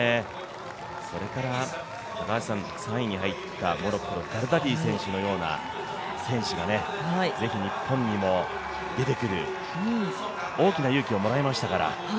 それから３位に入ったモロッコのガルダディ選手のような選手が、是非日本にも出てくる、大きな勇気をもらいましたから。